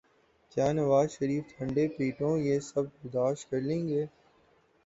کیا نوازشریف ٹھنڈے پیٹوں یہ سب برداشت کر لیں گے؟